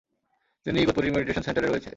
তিনি ইগতপুরীর মেডিটেশন সেন্টারে রয়েছে।